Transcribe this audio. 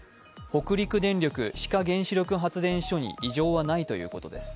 北陸電力志賀原子力発電所に異常はないということです。